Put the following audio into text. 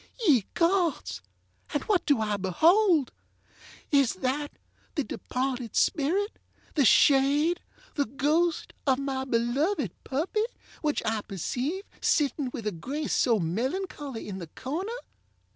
Ye gods! and what do I beholdŌĆöis that the departed spirit, the shade, the ghost, of my beloved puppy, which I perceive sitting with a grace so melancholy, in the corner?